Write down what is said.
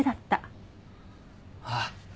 ああ。